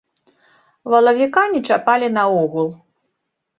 Валавіка не чапалі наогул.